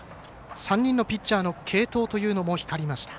３人のピッチャーの継投というのも光りました。